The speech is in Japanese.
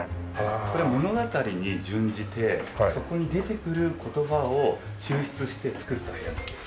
これは物語に準じてそこに出てくる言葉を抽出して作った部屋なんです。